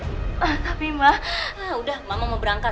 tapi ma udah mama mau berangkat